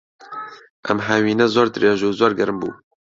ئەم هاوینە زۆر درێژ و زۆر گەرم بوو.